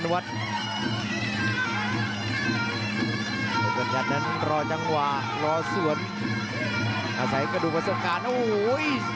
อันวัดเบียดเขามาอันวัดโดนชวนแรกแล้ววางแค่ขวาแล้วเสียบด้วยเขาซ้าย